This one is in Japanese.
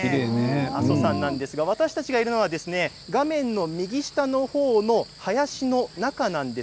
阿蘇山なんですが私たちがいるのは画面の右下の方の林の中なんです。